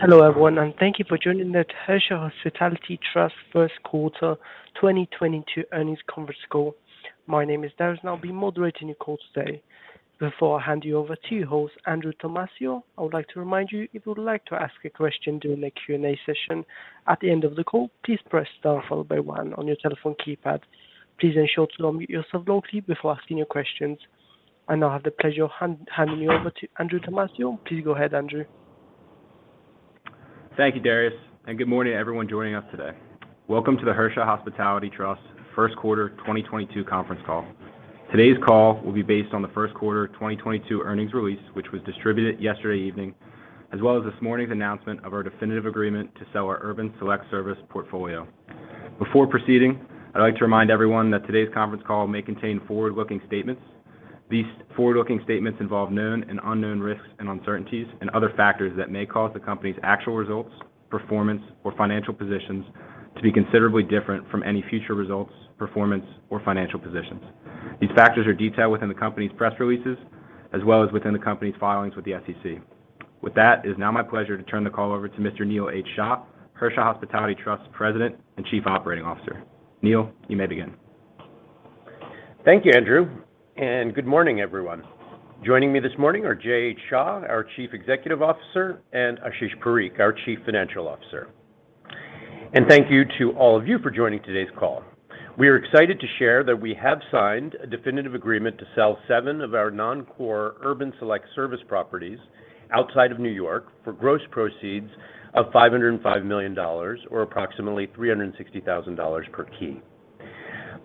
Hello, everyone, and thank you for joining the Hersha Hospitality Trust first quarter 2022 earnings conference call. My name is Darius, and I'll be moderating your call today. Before I hand you over to your host, Andrew Tamaccio, I would like to remind you if you would like to ask a question during the Q&A session at the end of the call, please press star followed by one on your telephone keypad. Please ensure to unmute yourself loudly before asking your questions. I now have the pleasure of handing you over to Andrew Tamaccio. Please go ahead, Andrew. Thank you, Darius, and good morning everyone joining us today. Welcome to the Hersha Hospitality Trust first quarter 2022 conference call. Today's call will be based on the first quarter 2022 earnings release, which was distributed yesterday evening, as well as this morning's announcement of our definitive agreement to sell our urban select service portfolio. Before proceeding, I'd like to remind everyone that today's conference call may contain forward-looking statements. These forward-looking statements involve known and unknown risks and uncertainties and other factors that may cause the company's actual results, performance, or financial positions to be considerably different from any future results, performance, or financial positions. These factors are detailed within the company's press releases, as well as within the company's filings with the SEC. With that, it is now my pleasure to turn the call over to Mr. Neil H. Shah. Shah, Hersha Hospitality Trust President and Chief Operating Officer. Neil, you may begin. Thank you, Andrew, and good morning, everyone. Joining me this morning are Jay H. Shah, our Chief Executive Officer, and Ashish Parikh, our Chief Financial Officer. Thank you to all of you for joining today's call. We are excited to share that we have signed a definitive agreement to sell seven of our non-core urban select service properties outside of New York for gross proceeds of $505 million, or approximately $360,000 per key.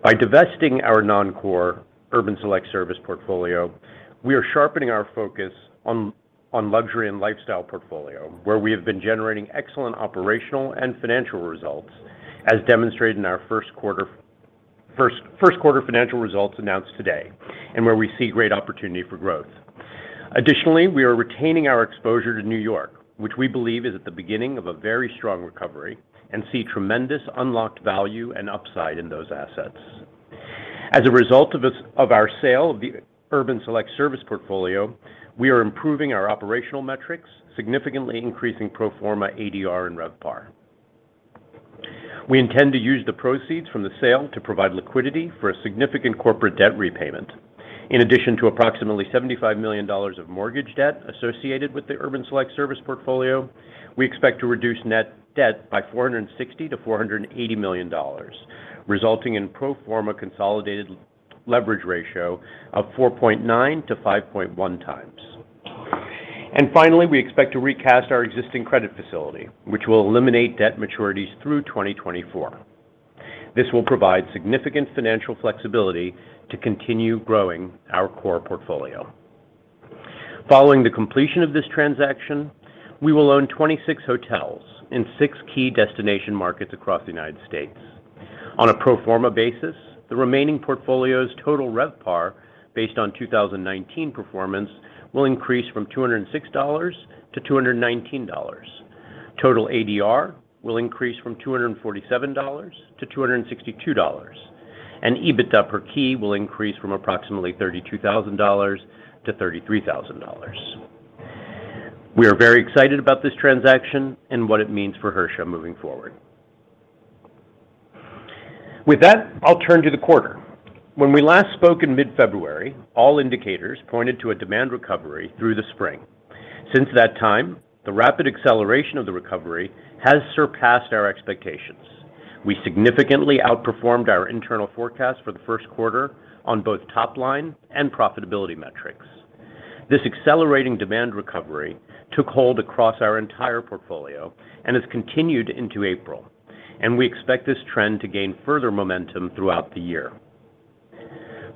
By divesting our non-core urban select service portfolio, we are sharpening our focus on luxury and lifestyle portfolio, where we have been generating excellent operational and financial results, as demonstrated in our first quarter financial results announced today, and where we see great opportunity for growth. Additionally, we are retaining our exposure to New York, which we believe is at the beginning of a very strong recovery and see tremendous unlocked value and upside in those assets. As a result of this of our sale of the urban select service portfolio, we are improving our operational metrics, significantly increasing pro forma ADR and RevPAR. We intend to use the proceeds from the sale to provide liquidity for a significant corporate debt repayment. In addition to approximately $75 million of mortgage debt associated with the urban select service portfolio, we expect to reduce net debt by $460 million-$480 million, resulting in pro forma consolidated leverage ratio of 4.9x-5.1x. Finally, we expect to recast our existing credit facility, which will eliminate debt maturities through 2024. This will provide significant financial flexibility to continue growing our core portfolio. Following the completion of this transaction, we will own 26 hotels in six key destination markets across the United States. On a pro forma basis, the remaining portfolio's total RevPAR, based on 2019 performance, will increase from $206 to $219. Total ADR will increase from $247 to $262. EBITDA per key will increase from approximately $32,000 to $33,000. We are very excited about this transaction and what it means for Hersha moving forward. With that, I'll turn to the quarter. When we last spoke in mid-February, all indicators pointed to a demand recovery through the spring. Since that time, the rapid acceleration of the recovery has surpassed our expectations. We significantly outperformed our internal forecast for the first quarter on both top line and profitability metrics. This accelerating demand recovery took hold across our entire portfolio and has continued into April, and we expect this trend to gain further momentum throughout the year.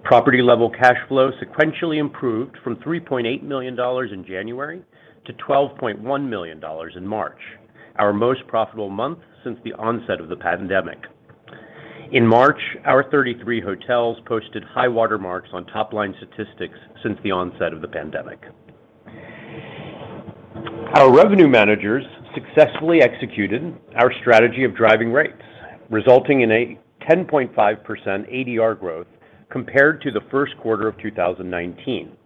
Property level cash flow sequentially improved from $3.8 million in January to $12.1 million in March, our most profitable month since the onset of the pandemic. In March, our 33 hotels posted high water marks on top-line statistics since the onset of the pandemic. Our revenue managers successfully executed our strategy of driving rates, resulting in a 10.5% ADR growth compared to the first quarter of 2019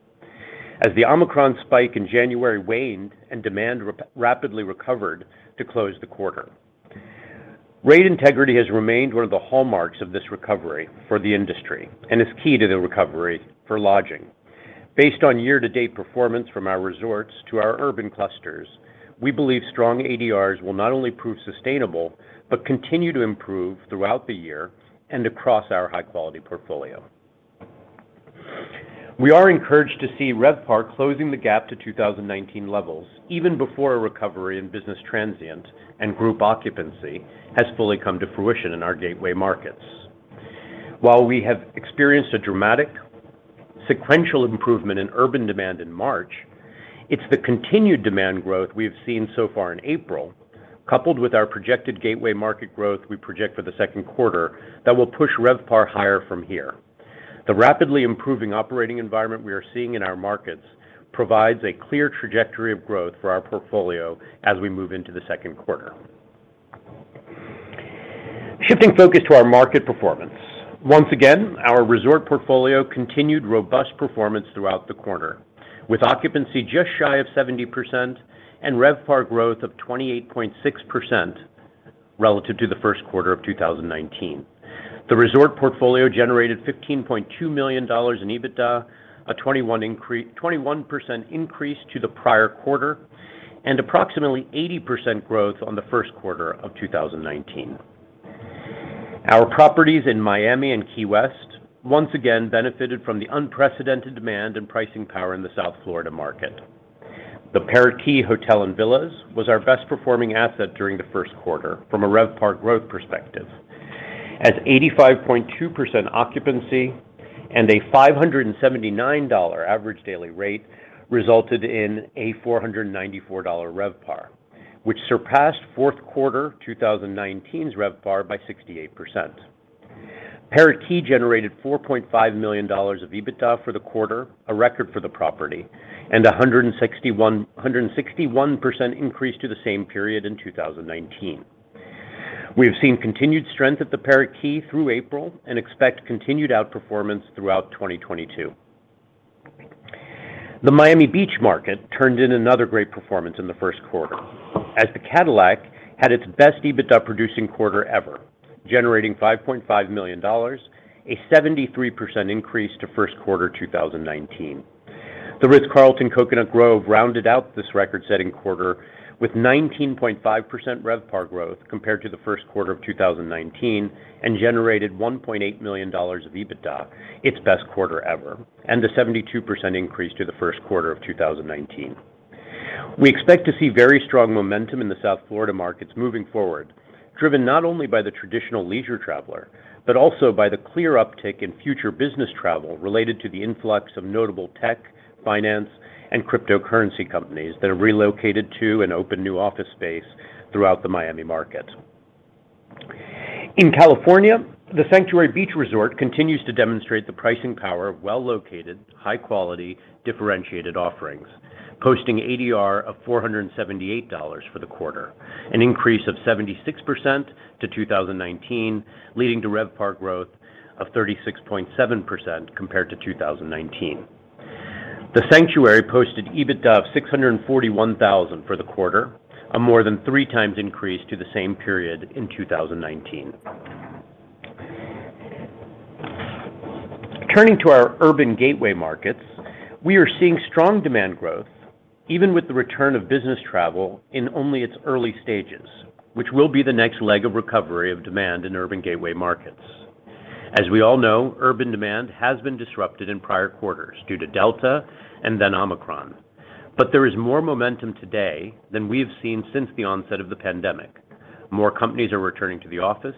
as the Omicron spike in January waned and demand rapidly recovered to close the quarter. Rate integrity has remained one of the hallmarks of this recovery for the industry and is key to the recovery for lodging. Based on year-to-date performance from our resorts to our urban clusters, we believe strong ADRs will not only prove sustainable but continue to improve throughout the year and across our high-quality portfolio. We are encouraged to see RevPAR closing the gap to 2019 levels even before a recovery in business transient and group occupancy has fully come to fruition in our gateway markets. While we have experienced a dramatic sequential improvement in urban demand in March, it's the continued demand growth we have seen so far in April, coupled with our projected gateway market growth we project for the second quarter, that will push RevPAR higher from here. The rapidly improving operating environment we are seeing in our markets provides a clear trajectory of growth for our portfolio as we move into the second quarter. Shifting focus to our market performance. Once again, our resort portfolio continued robust performance throughout the quarter, with occupancy just shy of 70% and RevPAR growth of 28.6% relative to the first quarter of 2019. The resort portfolio generated $15.2 million in EBITDA, a 21% increase to the prior quarter, and approximately 80% growth on the first quarter of 2019. Our properties in Miami and Key West once again benefited from the unprecedented demand and pricing power in the South Florida market. The Parrot Key Hotel & Villas was our best performing asset during the first quarter from a RevPAR growth perspective, as 85.2% occupancy and a $579 average daily rate resulted in a $494 RevPAR, which surpassed fourth quarter 2019's RevPAR by 68%. Parrot Key generated $4.5 million of EBITDA for the quarter, a record for the property, and a 161% increase to the same period in 2019. We have seen continued strength at the Parrot Key through April and expect continued outperformance throughout 2022. The Miami Beach market turned in another great performance in the first quarter as The Cadillac had its best EBITDA producing quarter ever, generating $5.5 million, a 73% increase to first quarter 2019. The Ritz-Carlton Coconut Grove rounded out this record-setting quarter with 19.5% RevPAR growth compared to the first quarter of 2019 and generated $1.8 million of EBITDA, its best quarter ever, and a 72% increase to the first quarter of 2019. We expect to see very strong momentum in the South Florida markets moving forward, driven not only by the traditional leisure traveler, but also by the clear uptick in future business travel related to the influx of notable tech, finance, and cryptocurrency companies that have relocated to and opened new office space throughout the Miami market. In California, the Sanctuary Beach Resort continues to demonstrate the pricing power of well-located, high-quality, differentiated offerings, posting ADR of $478 for the quarter, an increase of 76% to 2019, leading to RevPAR growth of 36.7% compared to 2019. The Sanctuary posted EBITDA of $641,000 for the quarter, a more than three times increase to the same period in 2019. Turning to our urban gateway markets, we are seeing strong demand growth even with the return of business travel in only its early stages, which will be the next leg of recovery of demand in urban gateway markets. As we all know, urban demand has been disrupted in prior quarters due to Delta and then Omicron, but there is more momentum today than we have seen since the onset of the pandemic. More companies are returning to the office,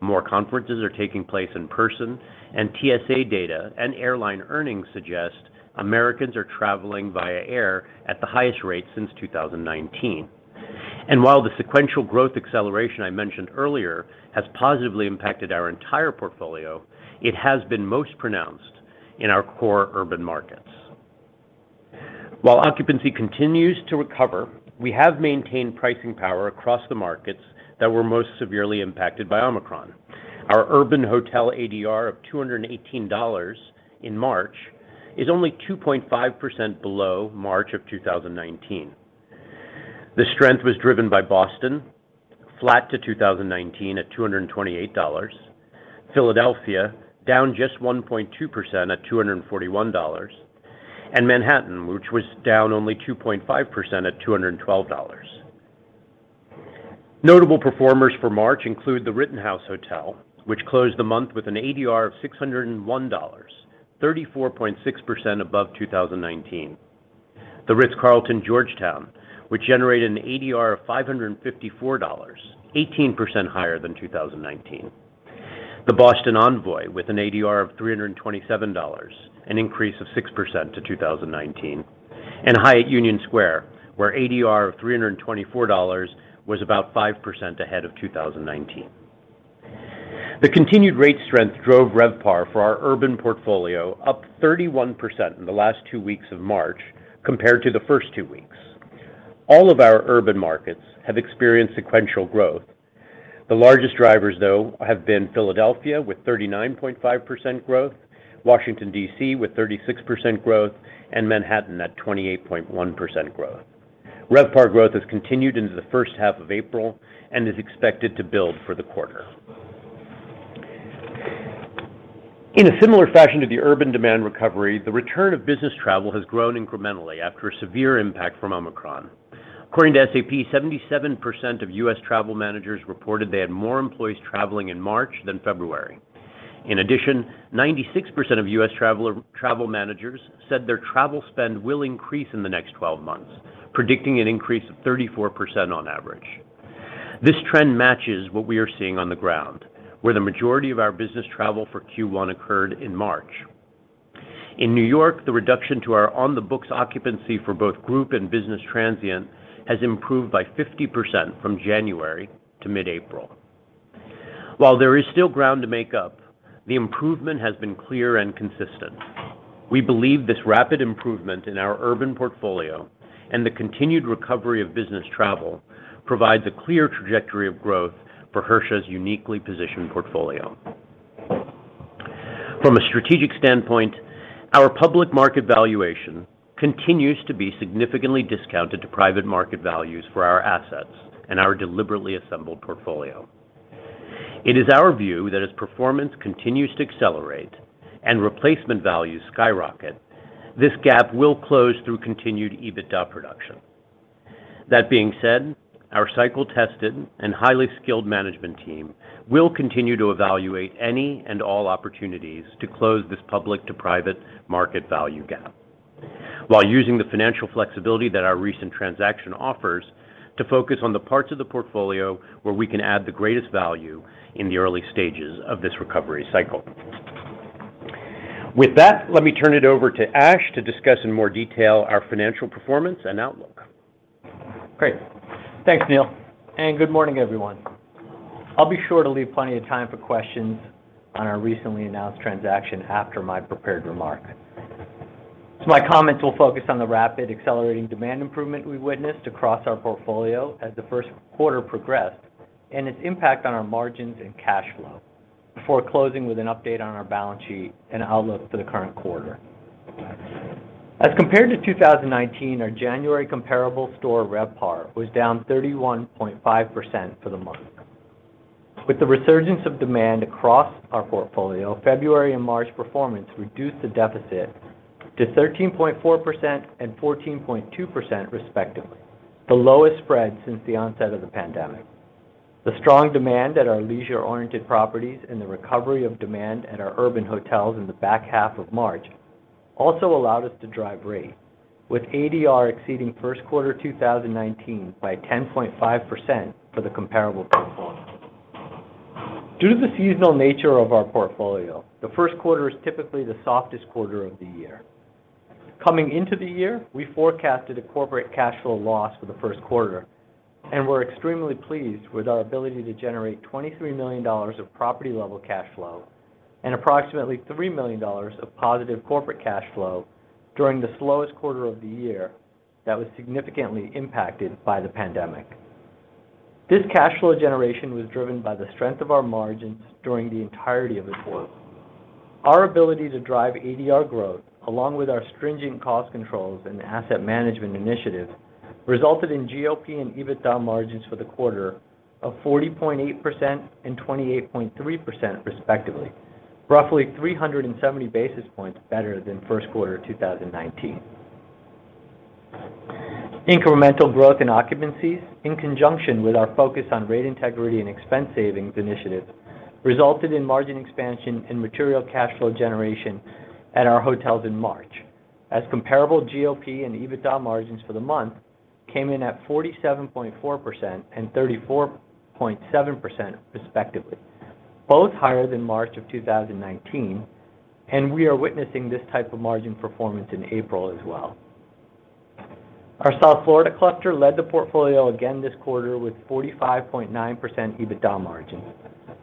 more conferences are taking place in person, and TSA data and airline earnings suggest Americans are traveling via air at the highest rate since 2019. While the sequential growth acceleration I mentioned earlier has positively impacted our entire portfolio, it has been most pronounced in our core urban markets. While occupancy continues to recover, we have maintained pricing power across the markets that were most severely impacted by Omicron. Our urban hotel ADR of $218 in March is only 2.5% below March 2019. The strength was driven by Boston, flat to 2019 at $228, Philadelphia, down just 1.2% at $241, and Manhattan, which was down only 2.5% at $212. Notable performers for March include the Rittenhouse Hotel, which closed the month with an ADR of $601, 34.6% above 2019. The Ritz-Carlton Georgetown, which generated an ADR of $554, 18% higher than 2019. The Boston Envoy with an ADR of $327, an increase of 6% to 2019. Hyatt Union Square, where ADR of $324 was about 5% ahead of 2019. The continued rate strength drove RevPAR for our urban portfolio up 31% in the last two weeks of March compared to the first two weeks. All of our urban markets have experienced sequential growth. The largest drivers, though, have been Philadelphia with 39.5% growth, Washington, D.C., with 36% growth, and Manhattan at 28.1% growth. RevPAR growth has continued into the first half of April and is expected to build for the quarter. In a similar fashion to the urban demand recovery, the return of business travel has grown incrementally after a severe impact from Omicron. According to SAP, 77% of U.S. travel managers reported they had more employees traveling in March than February. In addition, 96% of U.S. travel managers said their travel spend will increase in the next twelve months, predicting an increase of 34% on average. This trend matches what we are seeing on the ground, where the majority of our business travel for Q1 occurred in March. In New York, the reduction to our on-the-books occupancy for both group and business transient has improved by 50% from January to mid-April. While there is still ground to make up, the improvement has been clear and consistent. We believe this rapid improvement in our urban portfolio and the continued recovery of business travel provides a clear trajectory of growth for Hersha's uniquely positioned portfolio. From a strategic standpoint, our public market valuation continues to be significantly discounted to private market values for our assets and our deliberately assembled portfolio. It is our view that as performance continues to accelerate and replacement values skyrocket, this gap will close through continued EBITDA production. That being said, our cycle-tested and highly skilled management team will continue to evaluate any and all opportunities to close this public-to-private market value gap while using the financial flexibility that our recent transaction offers to focus on the parts of the portfolio where we can add the greatest value in the early stages of this recovery cycle. With that, let me turn it over to Ash to discuss in more detail our financial performance and outlook. Great. Thanks, Neil. Good morning, everyone. I'll be sure to leave plenty of time for questions on our recently announced transaction after my prepared remarks. My comments will focus on the rapid accelerating demand improvement we witnessed across our portfolio as the first quarter progressed and its impact on our margins and cash flow before closing with an update on our balance sheet and outlook for the current quarter. As compared to 2019, our January comparable store RevPAR was down 31.5% for the month. With the resurgence of demand across our portfolio, February and March performance reduced the deficit to 13.4% and 14.2% respectively, the lowest spread since the onset of the pandemic. The strong demand at our leisure-oriented properties and the recovery of demand at our urban hotels in the back half of March also allowed us to drive rate, with ADR exceeding first quarter 2019 by 10.5% for the comparable portfolio. Due to the seasonal nature of our portfolio, the first quarter is typically the softest quarter of the year. Coming into the year, we forecasted a corporate cash flow loss for the first quarter, and we're extremely pleased with our ability to generate $23 million of property-level cash flow and approximately $3 million of positive corporate cash flow during the slowest quarter of the year that was significantly impacted by the pandemic. This cash flow generation was driven by the strength of our margins during the entirety of the quarter. Our ability to drive ADR growth, along with our stringent cost controls and asset management initiatives, resulted in GOP and EBITDA margins for the quarter of 40.8% and 28.3% respectively, roughly 370 basis points better than first quarter 2019. Incremental growth in occupancies, in conjunction with our focus on rate integrity and expense savings initiatives, resulted in margin expansion and material cash flow generation at our hotels in March, as comparable GOP and EBITDA margins for the month came in at 47.4% and 34.7% respectively, both higher than March of 2019, and we are witnessing this type of margin performance in April as well. Our South Florida cluster led the portfolio again this quarter with 45.9% EBITDA margins,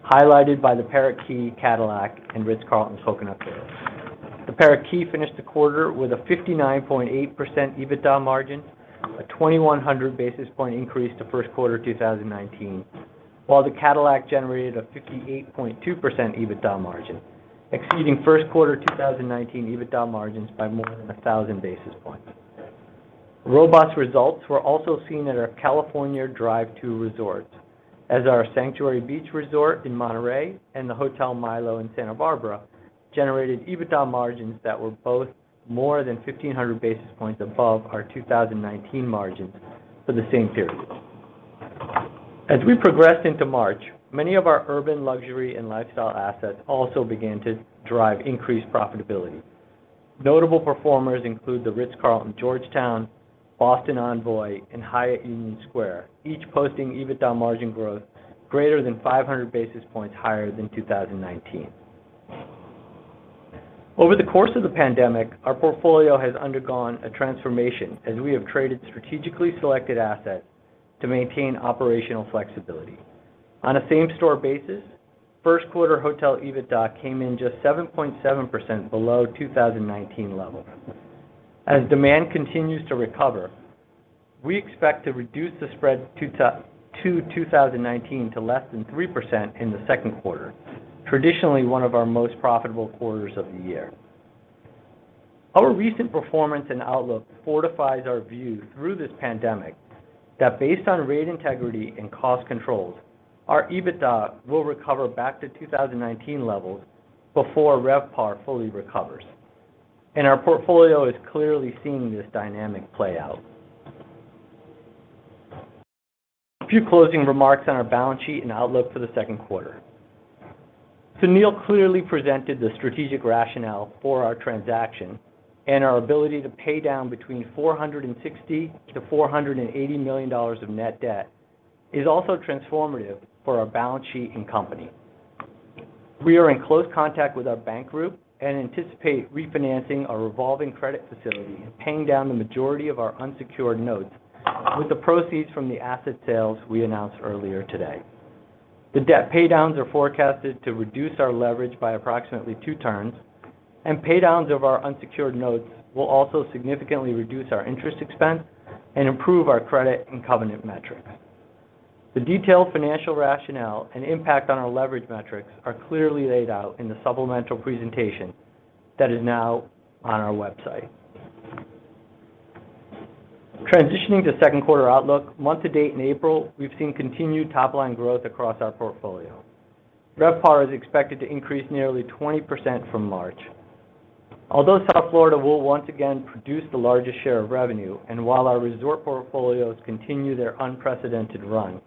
highlighted by the Parrot Key Cadillac and Ritz-Carlton Coconut Grove. The Parrot Key finished the quarter with a 59.8% EBITDA margin, a 2,100 basis point increase to first quarter 2019, while the Cadillac generated a 58.2% EBITDA margin, exceeding first quarter 2019 EBITDA margins by more than 1,000 basis points. Robust results were also seen at our California drive-to resorts, as our Sanctuary Beach Resort in Monterey and the Hotel Milo in Santa Barbara generated EBITDA margins that were both more than 1,500 basis points above our 2019 margins for the same period. As we progressed into March, many of our urban luxury and lifestyle assets also began to drive increased profitability. Notable performers include the Ritz-Carlton Georgetown, Boston Envoy, and Hyatt Union Square, each posting EBITDA margin growth greater than 500 basis points higher than 2019. Over the course of the pandemic, our portfolio has undergone a transformation as we have traded strategically selected assets to maintain operational flexibility. On a same-store basis, first quarter hotel EBITDA came in just 7.7% below 2019 levels. As demand continues to recover, we expect to reduce the spread to 2019 to less than 3% in the second quarter, traditionally one of our most profitable quarters of the year. Our recent performance and outlook fortifies our view through this pandemic that based on rate integrity and cost controls, our EBITDA will recover back to 2019 levels before RevPAR fully recovers, and our portfolio is clearly seeing this dynamic play out. A few closing remarks on our balance sheet and outlook for the second quarter. Neil clearly presented the strategic rationale for our transaction, and our ability to pay down between $460 million-$480 million of net debt is also transformative for our balance sheet and company. We are in close contact with our bank group and anticipate refinancing our revolving credit facility and paying down the majority of our unsecured notes with the proceeds from the asset sales we announced earlier today. The debt paydowns are forecasted to reduce our leverage by approximately two turns, and paydowns of our unsecured notes will also significantly reduce our interest expense and improve our credit and covenant metric. The detailed financial rationale and impact on our leverage metrics are clearly laid out in the supplemental presentation that is now on our website. Transitioning to second quarter outlook, month-to-date in April, we've seen continued top-line growth across our portfolio. RevPAR is expected to increase nearly 20% from March. Although South Florida will once again produce the largest share of revenue, and while our resort portfolios continue their unprecedented run,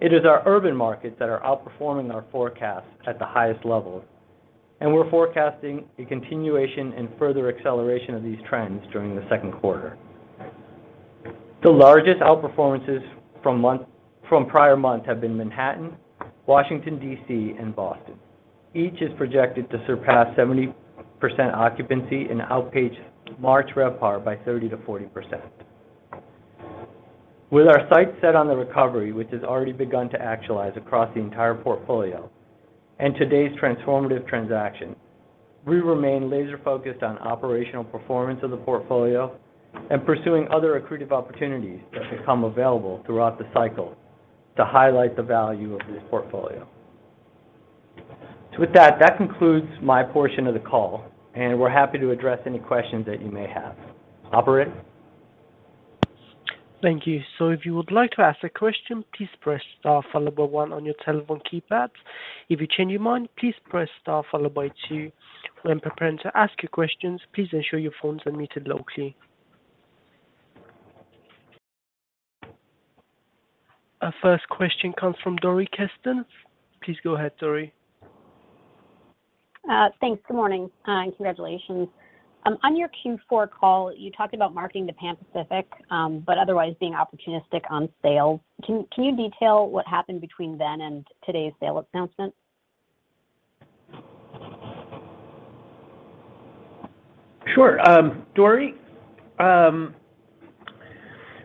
it is our urban markets that are outperforming our forecasts at the highest levels, and we're forecasting a continuation and further acceleration of these trends during the second quarter. The largest outperformances from prior months have been Manhattan, Washington, D.C., and Boston. Each is projected to surpass 70% occupancy and outpace March RevPAR by 30%-40%. With our sights set on the recovery, which has already begun to actualize across the entire portfolio, and today's transformative transaction, we remain laser-focused on operational performance of the portfolio and pursuing other accretive opportunities that become available throughout the cycle to highlight the value of this portfolio. With that concludes my portion of the call, and we're happy to address any questions that you may have. Operator? Thank you. If you would like to ask a question, please press star followed by one on your telephone keypads. If you change your mind, please press star followed by two. When preparing to ask your questions, please ensure your phone's unmuted locally. Our first question comes from Dori Kesten. Please go ahead, Dori. Thanks. Good morning, and congratulations. On your Q4 call, you talked about marketing to Pan Pacific, but otherwise being opportunistic on sales. Can you detail what happened between then and today's sale announcement? Sure. Dori,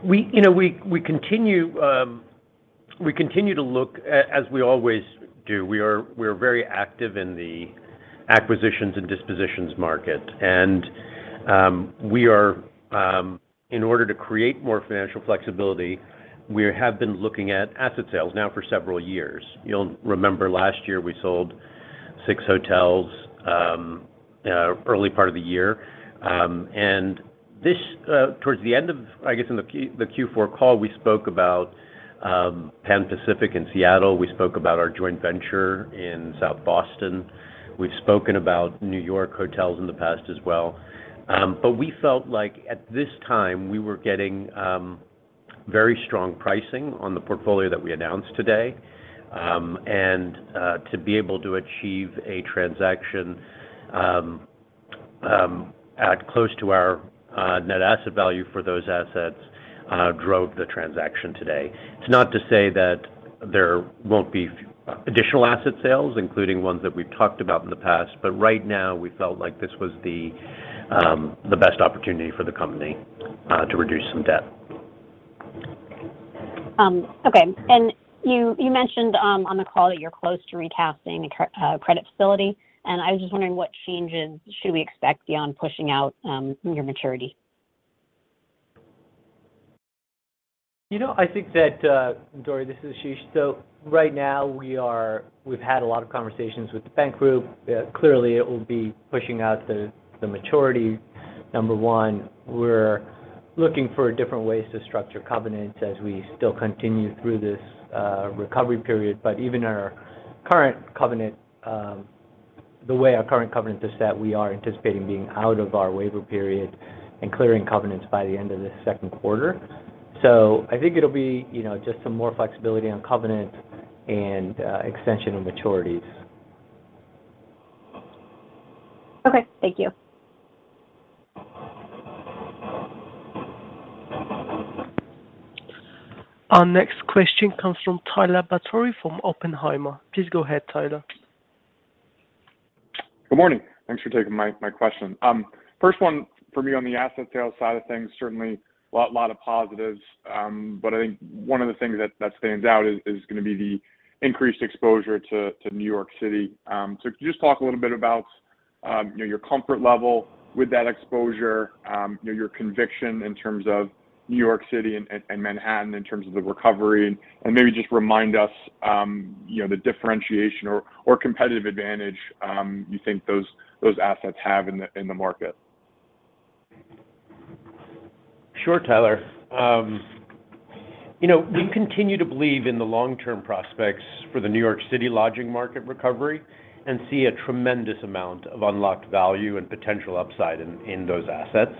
you know, we continue to look as we always do. We're very active in the acquisitions and dispositions market. In order to create more financial flexibility, we have been looking at asset sales now for several years. You'll remember last year we sold six hotels early part of the year. Towards the end of, I guess, in the Q4 call, we spoke about Pan Pacific in Seattle. We spoke about our joint venture in South Boston. We've spoken about New York hotels in the past as well. We felt like at this time, we were getting very strong pricing on the portfolio that we announced today, and to be able to achieve a transaction at close to our net asset value for those assets drove the transaction today. It's not to say that there won't be additional asset sales, including ones that we've talked about in the past, but right now, we felt like this was the best opportunity for the company to reduce some debt. Okay. You mentioned on the call that you're close to recasting a credit facility, and I was just wondering what changes should we expect beyond pushing out your maturity? You know, I think that, Dori, this is Ashish. Right now we've had a lot of conversations with the bank group. Clearly it will be pushing out the maturity, number one. We're looking for different ways to structure covenants as we still continue through this recovery period. Even our current covenant, the way our current covenant is set, we are anticipating being out of our waiver period and clearing covenants by the end of this second quarter. I think it'll be, you know, just some more flexibility on covenants and extension of maturities. Okay. Thank you. Our next question comes from Tyler Batory from Oppenheimer. Please go ahead, Tyler. Good morning. Thanks for taking my question. First one for me on the asset sales side of things, certainly lot of positives, but I think one of the things that stands out is gonna be the increased exposure to New York City. So can you just talk a little bit about, you know, your comfort level with that exposure, you know, your conviction in terms of New York City and Manhattan in terms of the recovery, and maybe just remind us, you know, the differentiation or competitive advantage you think those assets have in the market? Sure, Tyler. You know, we continue to believe in the long-term prospects for the New York City lodging market recovery and see a tremendous amount of unlocked value and potential upside in those assets.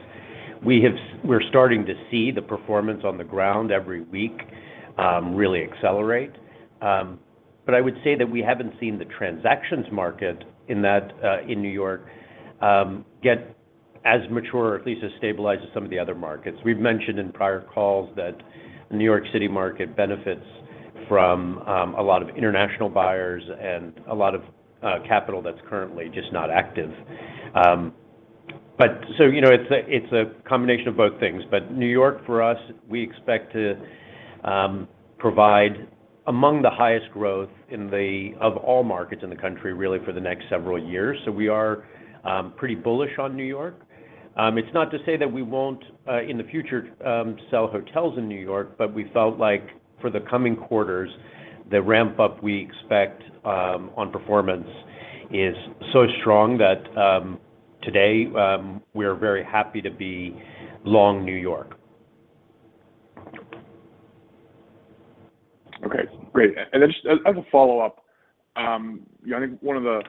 We're starting to see the performance on the ground every week, really accelerate. I would say that we haven't seen the transactions market in that, in New York, get as mature or at least as stabilized as some of the other markets. We've mentioned in prior calls that the New York City market benefits from a lot of international buyers and a lot of capital that's currently just not active. You know, it's a combination of both things. New York, for us, we expect to provide among the highest growth of all markets in the country, really, for the next several years. We are pretty bullish on New York. It's not to say that we won't in the future sell hotels in New York, but we felt like for the coming quarters, the ramp up we expect on performance is so strong that today we're very happy to be long New York. Okay. Great. Then just as a follow-up, I think one of the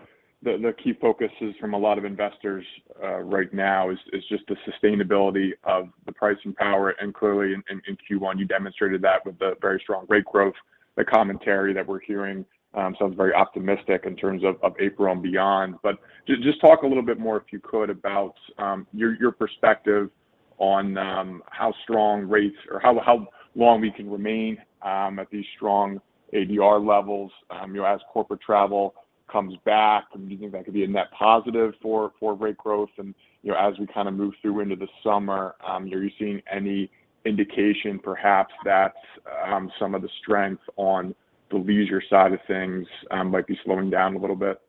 key focuses from a lot of investors right now is just the sustainability of the pricing power. Clearly in Q1, you demonstrated that with the very strong rate growth. The commentary that we're hearing sounds very optimistic in terms of April and beyond. Just talk a little bit more, if you could, about your perspective on how strong rates or how long we can remain at these strong ADR levels, you know, as corporate travel comes back. Do you think that could be a net positive for rate growth? You know, as we kinda move through into the summer, are you seeing any indication perhaps that some of the strength on the leisure side of things might be slowing down a little bit?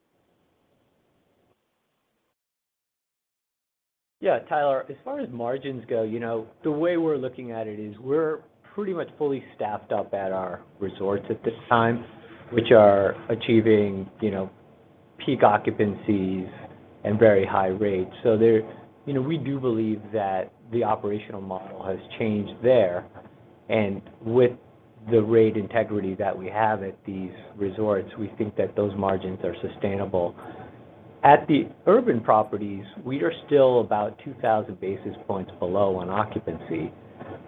Yeah, Tyler, as far as margins go, you know, the way we're looking at it is we're pretty much fully staffed up at our resorts at this time, which are achieving, you know, peak occupancies and very high rates. We do believe that the operational model has changed there. With the rate integrity that we have at these resorts, we think that those margins are sustainable. At the urban properties, we are still about 2,000 basis points below on occupancy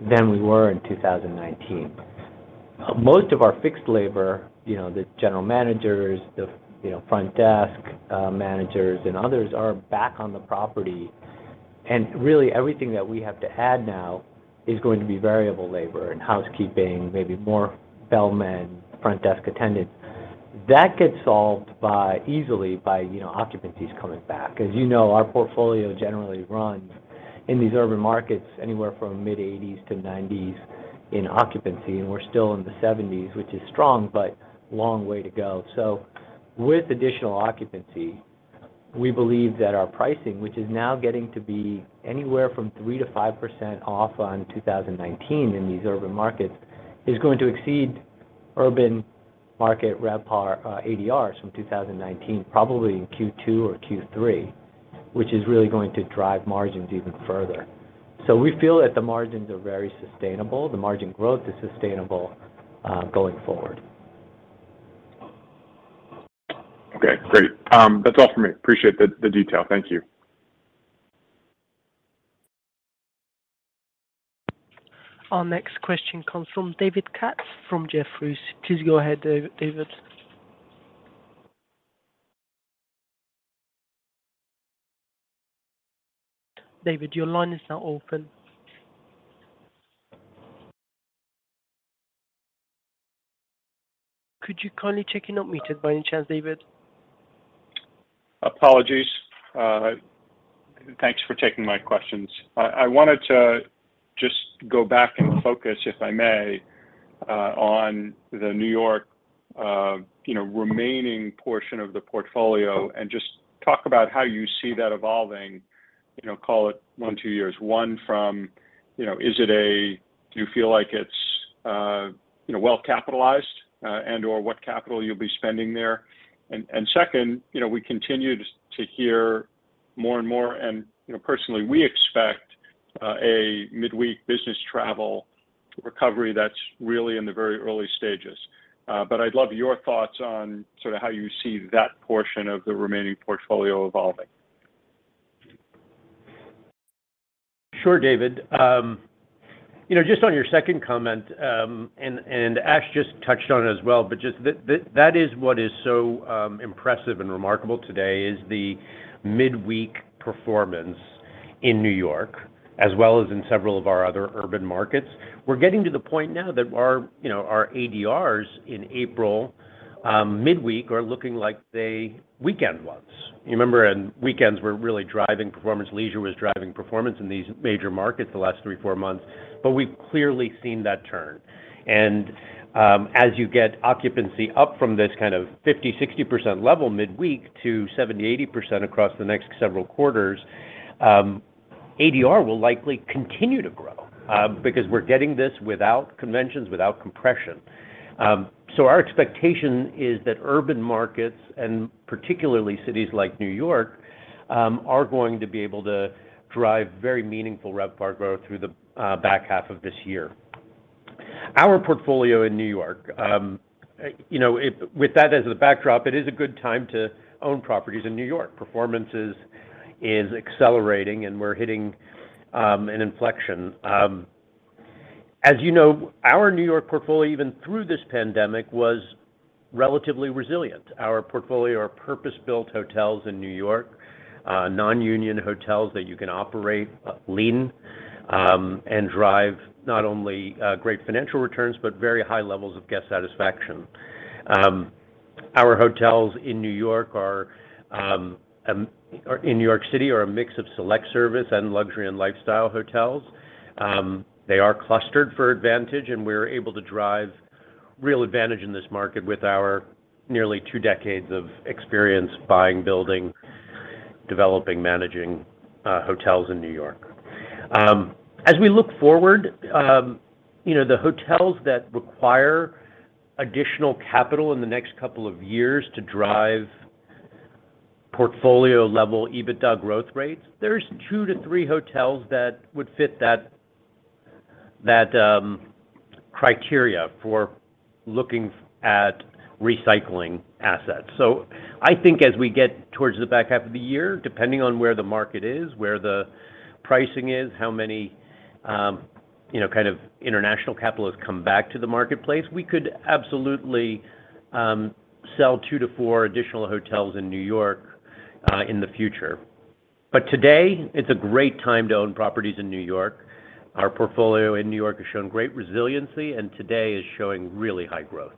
than we were in 2019. Most of our fixed labor, you know, the general managers, you know, front desk managers, and others are back on the property. Really, everything that we have to add now is going to be variable labor and housekeeping, maybe more bellmen, front desk attendants. That gets solved by easily by, you know, occupancies coming back. As you know, our portfolio generally runs in these urban markets anywhere from mid-80s to 90s in occupancy, and we're still in the 70s, which is strong but long way to go. With additional occupancy, we believe that our pricing, which is now getting to be anywhere from 3%-5% off on 2019 in these urban markets, is going to exceed urban market RevPAR, ADRs from 2019, probably in Q2 or Q3, which is really going to drive margins even further. We feel that the margins are very sustainable, the margin growth is sustainable, going forward. Okay. Great. That's all for me. Appreciate the detail. Thank you. Our next question comes from David Katz from Jefferies. Please go ahead, David. David, your line is now open. Could you kindly check you're not muted by any chance, David? Apologies. Thanks for taking my questions. I wanted to just go back and focus, if I may, on the New York, you know, remaining portion of the portfolio, and just talk about how you see that evolving, you know, call it one, two years. One from, you know, is it a do you feel like it's, you know, well-capitalized, and/or what capital you'll be spending there? Second, you know, we continue to hear more and more, and you know, personally, we expect a midweek business travel recovery that's really in the very early stages. I'd love your thoughts on sort of how you see that portion of the remaining portfolio evolving. Sure, David. You know, just on your second comment, and Ash just touched on it as well, but just that is what is so impressive and remarkable today is the midweek performance in New York, as well as in several of our other urban markets. We're getting to the point now that our ADRs in April midweek are looking like the weekend ones. You remember, and weekends were really driving performance, leisure was driving performance in these major markets the last three, four months, but we've clearly seen that turn. As you get occupancy up from this kind of 50%-60% level midweek to 70%-80% across the next several quarters, ADR will likely continue to grow, because we're getting this without conventions, without compression. Our expectation is that urban markets, and particularly cities like New York, are going to be able to drive very meaningful RevPAR growth through the back half of this year. Our portfolio in New York, you know, with that as the backdrop, it is a good time to own properties in New York. Performance is accelerating and we're hitting an inflection. As you know, our New York portfolio, even through this pandemic, was relatively resilient. Our portfolio are purpose-built hotels in New York, non-union hotels that you can operate lean, and drive not only great financial returns, but very high levels of guest satisfaction. Our hotels in New York City are a mix of select service and luxury and lifestyle hotels. They are clustered for advantage, and we're able to drive real advantage in this market with our nearly two decades of experience buying, building, developing, managing hotels in New York. As we look forward, you know, the hotels that require additional capital in the next couple of years to drive portfolio-level EBITDA growth rates, there's 2-3 hotels that would fit that criteria for looking at recycling assets. I think as we get towards the back half of the year, depending on where the market is, where the pricing is, how many, you know, kind of international capital has come back to the marketplace, we could absolutely, sell 2-4 additional hotels in New York, in the future. Today, it's a great time to own properties in New York. Our portfolio in New York has shown great resiliency, and today is showing really high growth.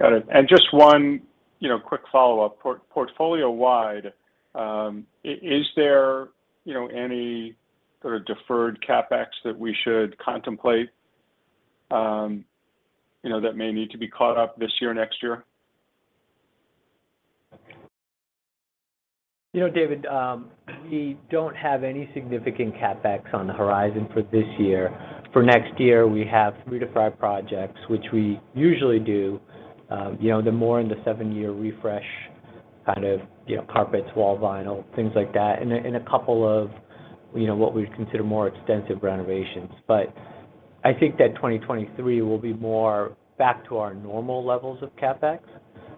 Got it. Just one, you know, quick follow-up. Portfolio-wide, is there, you know, any sort of deferred CapEx that we should contemplate, you know, that may need to be caught up this year, next year? You know, David, we don't have any significant CapEx on the horizon for this year. For next year, we have 3-5 projects, which we usually do, you know, the more in the seven-year refresh kind of, you know, carpets, wall vinyl, things like that, and a couple of, you know, what we'd consider more extensive renovations. I think that 2023 will be more back to our normal levels of CapEx,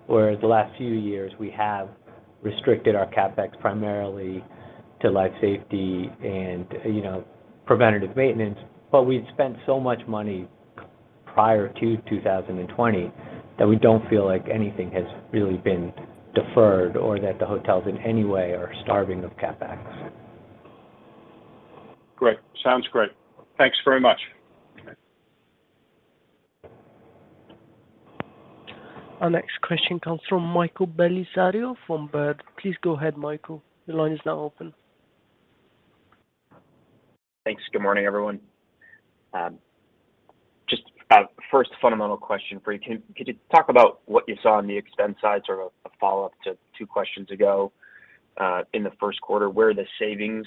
whereas the last few years we have restricted our CapEx primarily to life safety and, you know, preventative maintenance. We had spent so much money prior to 2020 that we don't feel like anything has really been deferred or that the hotels in any way are starving of CapEx. Great. Sounds great. Thanks very much. Okay. Our next question comes from Michael Bellisario from Baird. Please go ahead, Michael. The line is now open. Thanks. Good morning, everyone. Just a first fundamental question for you. Could you, talk about what you saw on the expense side, sort of a follow-up to two questions ago, in the first quarter, where the savings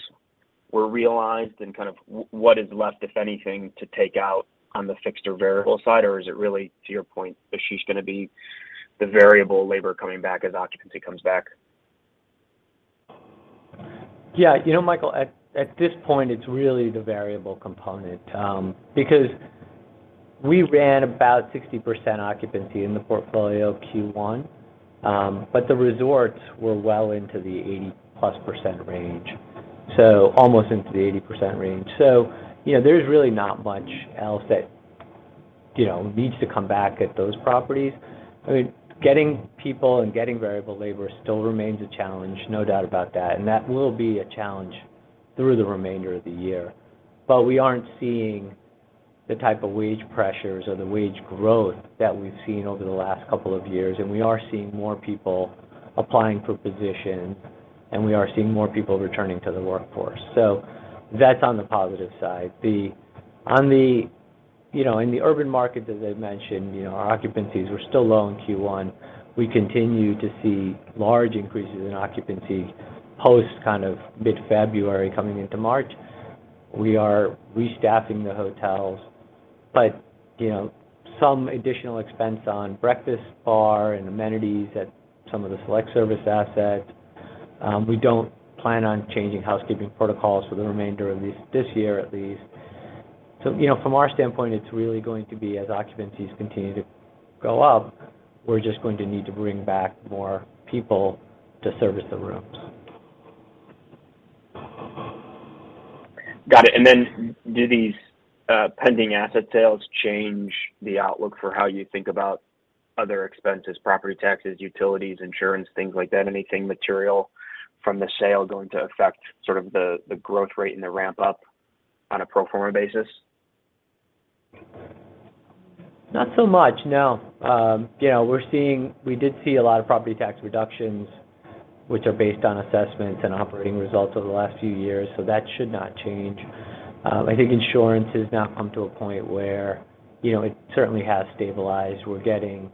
were realized and kind of what is left, if anything, to take out on the fixed or variable side? Or is it really, to your point, Ashish, gonna be the variable labor coming back as occupancy comes back? Yeah. You know, Michael, at this point, it's really the variable component, because we ran about 60% occupancy in the portfolio Q1, but the resorts were well into the 80+% range, so almost into the 80% range. You know, there's really not much else that needs to come back at those properties. I mean, getting people and getting variable labor still remains a challenge, no doubt about that, and that will be a challenge through the remainder of the year. But we aren't seeing the type of wage pressures or the wage growth that we've seen over the last couple of years, and we are seeing more people applying for positions, and we are seeing more people returning to the workforce. That's on the positive side. The On the, you know, in the urban market, as I've mentioned, you know, our occupancies were still low in Q1. We continue to see large increases in occupancy post kind of mid-February coming into March. We are restaffing the hotels, but, you know, some additional expense on breakfast bar and amenities at some of the select service assets. We don't plan on changing housekeeping protocols for the remainder of this year at least. You know, from our standpoint, it's really going to be as occupancies continue to go up, we're just going to need to bring back more people to service the rooms. Got it. Do these pending asset sales change the outlook for how you think about other expenses, property taxes, utilities, insurance, things like that? Anything material from the sale going to affect sort of the growth rate and the ramp-up on a pro forma basis? Not so much, no. You know, we did see a lot of property tax reductions, which are based on assessments and operating results over the last few years, so that should not change. I think insurance has now come to a point where, you know, it certainly has stabilized. We're getting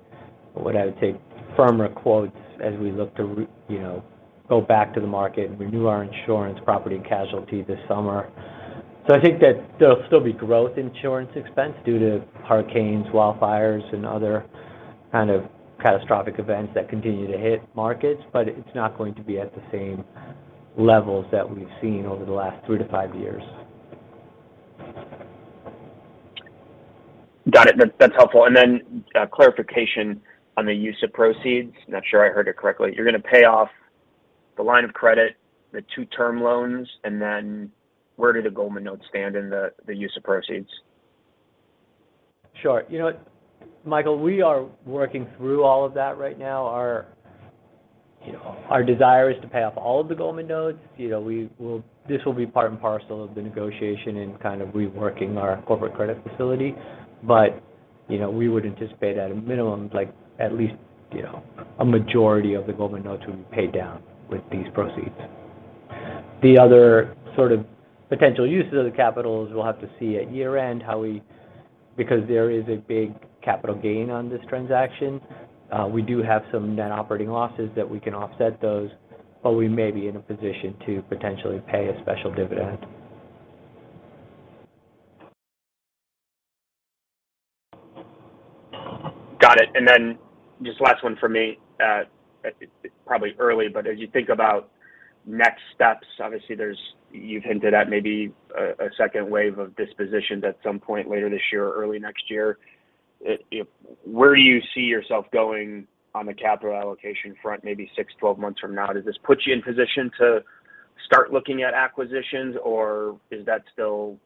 what I would say firmer quotes as we look to you know, go back to the market and renew our insurance property and casualty this summer. I think that there'll still be growth in insurance expense due to hurricanes, wildfires, and other kind of catastrophic events that continue to hit markets, but it's not going to be at the same levels that we've seen over the last 3-5 years. Got it. That, that's helpful. Clarification on the use of proceeds. Not sure I heard it correctly. You're gonna pay off the line of credit, the two-term loans, and then where do the Goldman notes stand in the use of proceeds? Sure. You know what, Michael, we are working through all of that right now. You know, our desire is to pay off all of the Goldman notes. You know, this will be part and parcel of the negotiation in kind of reworking our corporate credit facility. You know, we would anticipate at a minimum, like, at least, you know, a majority of the Goldman notes will be paid down with these proceeds. The other sort of potential uses of the capital is we'll have to see at year-end. Because there is a big capital gain on this transaction, we do have some net operating losses that we can offset those, but we may be in a position to potentially pay a special dividend. Got it. Then just last one for me. Probably early, but as you think about next steps, obviously you've hinted at maybe a second wave of dispositions at some point later this year or early next year. Where do you see yourself going on the capital allocation front maybe six, 12 months from now? Does this put you in position to start looking at acquisitions, or is that still,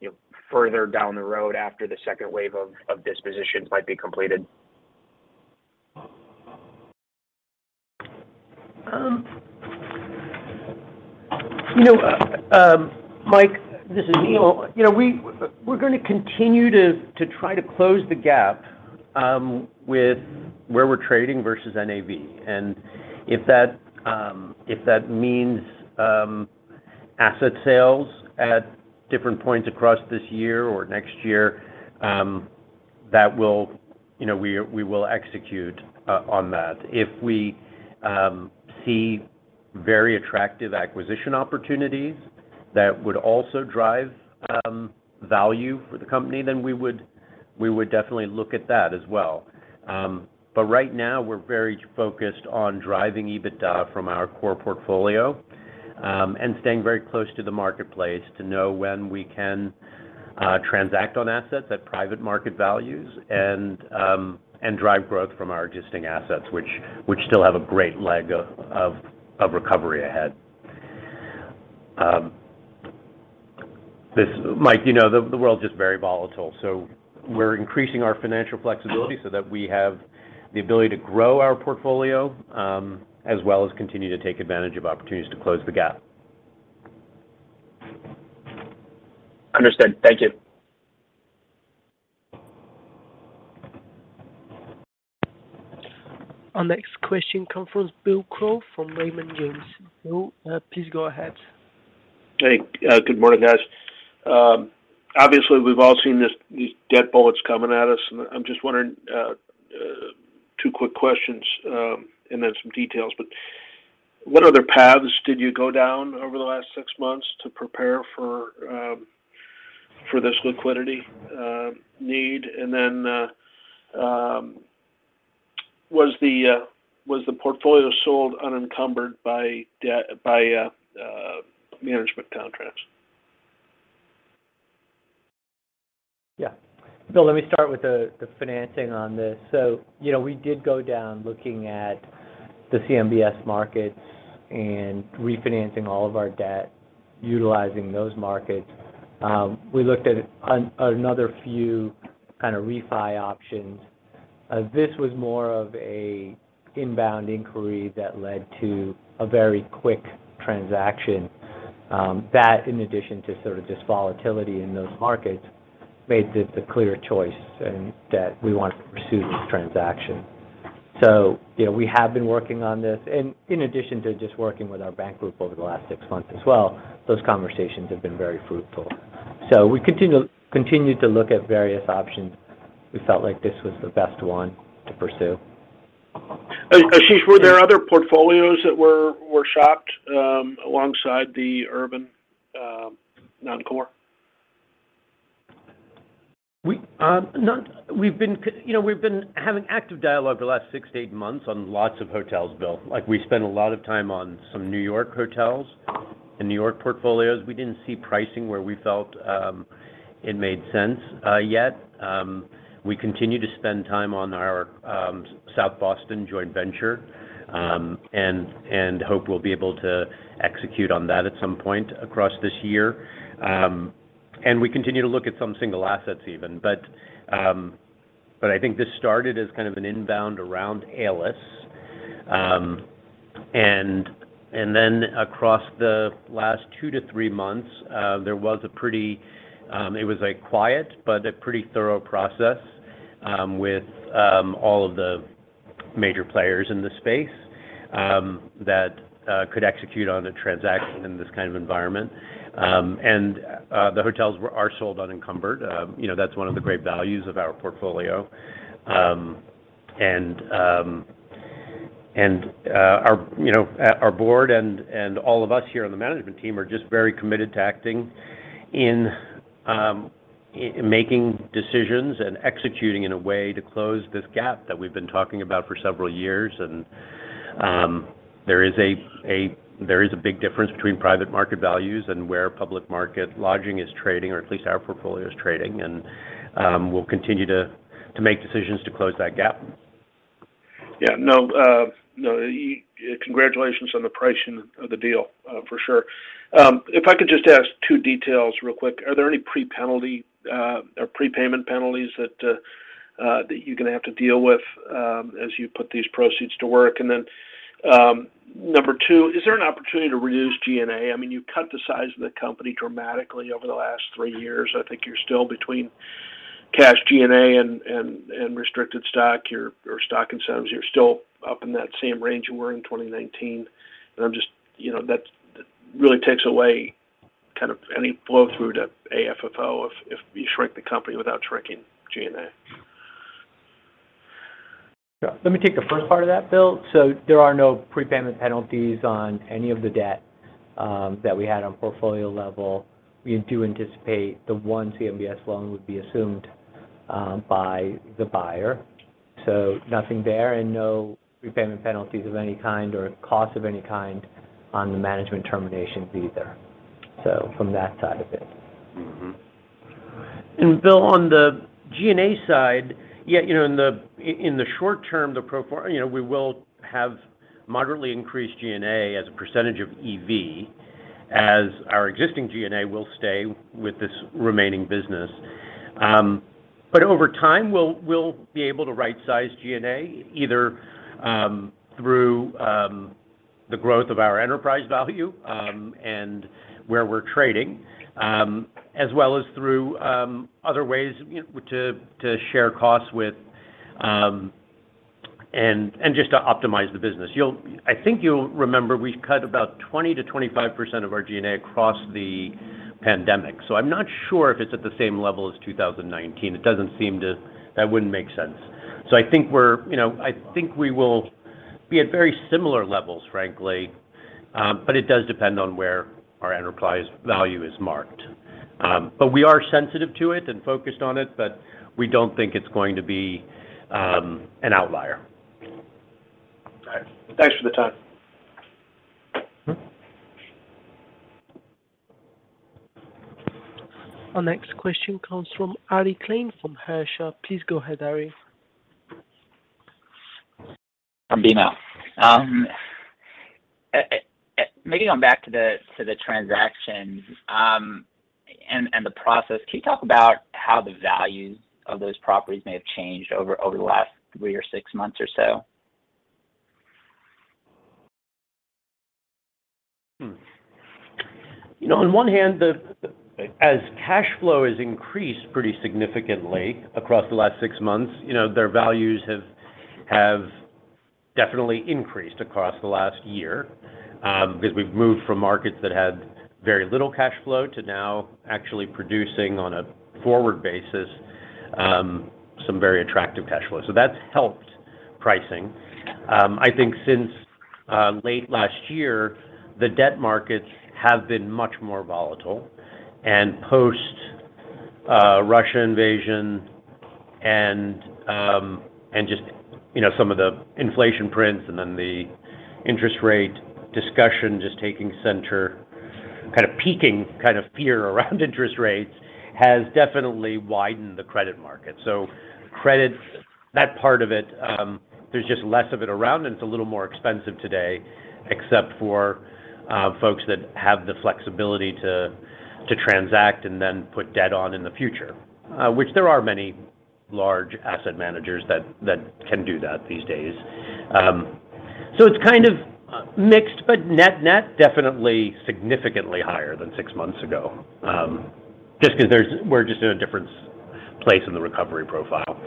you know, further down the road after the second wave of dispositions might be completed? You know, Mike, this is Neil. You know, we’re gonna continue to try to close the gap with where we’re trading versus NAV. If that means asset sales at different points across this year or next year, that will, you know, we will execute on that. If we see very attractive acquisition opportunities that would also drive value for the company, then we would definitely look at that as well. Right now, we’re very focused on driving EBITDA from our core portfolio and staying very close to the marketplace to know when we can transact on assets at private market values and drive growth from our existing assets, which still have a great leg of recovery ahead. Mike, you know, the world's just very volatile, so we're increasing our financial flexibility so that we have the ability to grow our portfolio, as well as continue to take advantage of opportunities to close the gap. Understood. Thank you. Our next question comes from Bill Crow from Raymond James. Bill, please go ahead. Hey. Good morning, guys. Obviously we've all seen this, these debt bullets coming at us, and I'm just wondering, 2 quick questions, and then some details. What other paths did you go down over the last six months to prepare for this liquidity need? Was the portfolio sold unencumbered by debt by management contracts? Yeah. Bill, let me start with the financing on this. You know, we did go down looking at the CMBS markets and refinancing all of our debt utilizing those markets. We looked at another few kind of refi options. This was more of a inbound inquiry that led to a very quick transaction, that in addition to sort of just volatility in those markets, made this a clear choice in that we wanted to pursue this transaction. You know, we have been working on this. In addition to just working with our bank group over the last six months as well, those conversations have been very fruitful. We continued to look at various options. We felt like this was the best one to pursue. Ashish, were there other portfolios that were shopped alongside the urban non-core? You know, we've been having active dialogue the last six to eight months on lots of hotels, Bill. Like, we spent a lot of time on some New York hotels and New York portfolios. We didn't see pricing where we felt it made sense yet. We continue to spend time on our South Boston joint venture and hope we'll be able to execute on that at some point across this year. We continue to look at some single assets even. I think this started as kind of an inbound around ALIS. Then across the last 2-3 months, there was a pretty. It was a quiet but pretty thorough process with all of the major players in the space that could execute on a transaction in this kind of environment. The hotels are sold unencumbered. You know, that's one of the great values of our portfolio. Our board and all of us here on the management team are just very committed to acting in making decisions and executing in a way to close this gap that we've been talking about for several years. There is a big difference between private market values and where public market lodging is trading, or at least our portfolio is trading. We'll continue to make decisions to close that gap. Yeah. No, congratulations on the pricing of the deal, for sure. If I could just ask two details real quick. Are there any prepayment penalties that you're gonna have to deal with, as you put these proceeds to work. Number two, is there an opportunity to reduce G&A? I mean, you cut the size of the company dramatically over the last three years. I think you're still between cash G&A and restricted stock, your stock incentives, you're still up in that same range you were in 2019. I'm just, you know, that really takes away kind of any flow through to AFFO if you shrink the company without shrinking G&A. Yeah. Let me take the first part of that, Bill. There are no prepayment penalties on any of the debt that we had on portfolio level. We do anticipate the one CMBS loan would be assumed by the buyer. Nothing there, and no prepayment penalties of any kind or cost of any kind on the management terminations either. From that side of it. Bill, on the G&A side, yeah, you know, in the short term, we will have moderately increased G&A as a percentage of EV, as our existing G&A will stay with this remaining business. But over time, we'll be able to rightsize G&A either through the growth of our enterprise value and where we're trading, as well as through other ways, you know, to share costs with and just to optimize the business. I think you'll remember we cut about 20%-25% of our G&A across the pandemic. I'm not sure if it's at the same level as 2019. It doesn't seem to. That wouldn't make sense. I think we're, you know, I think we will be at very similar levels, frankly, but it does depend on where our enterprise value is marked. We are sensitive to it and focused on it, but we don't think it's going to be an outlier. All right. Thanks for the time. Our next question comes from Ari Klein from Hersha. Please go ahead, Ari. From BMO. Maybe going back to the transactions, and the process, can you talk about how the values of those properties may have changed over the last three or six months or so? You know, on one hand, as cash flow has increased pretty significantly across the last six months, you know, their values have definitely increased across the last year, because we've moved from markets that had very little cash flow to now actually producing on a forward basis, some very attractive cash flow. So that's helped pricing. I think since late last year, the debt markets have been much more volatile. Post Russian invasion and just, you know, some of the inflation prints and then the interest rate discussion just taking center stage, kind of piquing fear around interest rates has definitely widened the credit market. Credit, that part of it, there's just less of it around, and it's a little more expensive today, except for folks that have the flexibility to transact and then put debt on in the future, which there are many large asset managers that can do that these days. So it's kind of mixed, but net-net, definitely significantly higher than six months ago, just because we're just in a different place in the recovery profile.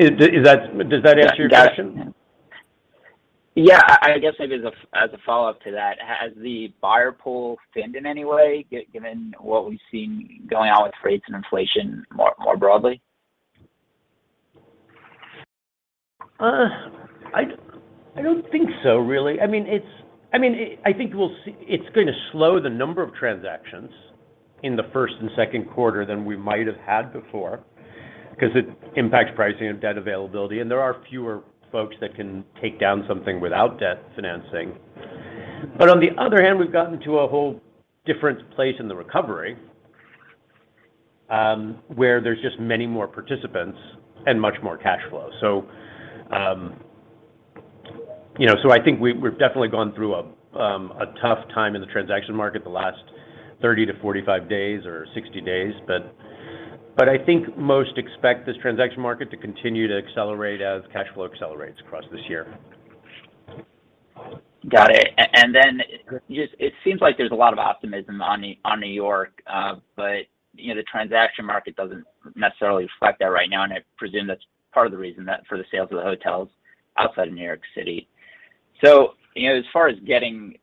Does that answer your question? Yeah. I guess maybe as a follow-up to that, has the buyer pool thinned in any way given what we've seen going on with rates and inflation more broadly? I don't think so, really. I mean, it's I think we'll see. It's going to slow the number of transactions in the first and second quarter than we might have had before because it impacts pricing of debt availability, and there are fewer folks that can take down something without debt financing. On the other hand, we've gotten to a whole different place in the recovery, where there's just many more participants and much more cash flow. You know, so I think we've definitely gone through a tough time in the transaction market the last 30-45 days or 60 days. I think most expect this transaction market to continue to accelerate as cash flow accelerates across this year. Got it. It seems like there's a lot of optimism on New York. You know, the transaction market doesn't necessarily reflect that right now, and I presume that's part of the reason for the sales of the hotels outside of New York City. You know, as far as getting